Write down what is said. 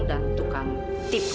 dan tukang tipu